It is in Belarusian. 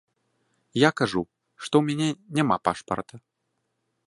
Я кажу, што ў мяне няма пашпарта.